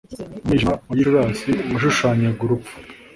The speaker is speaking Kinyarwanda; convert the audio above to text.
umwijima wa gicurasi washushanyaga urupfu,